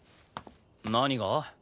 何が？